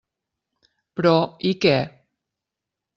Però, i què?